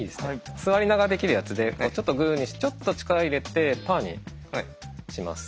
座りながらできるやつでちょっとグーにしてちょっと力入れてパーにします。